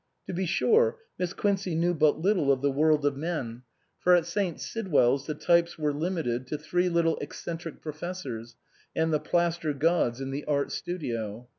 To be sure, Miss Quincey knew but little of the world of men ; for at St. Sidwell's the types were limited to three little eccentric pro fessors, and the plaster gods in the art studio.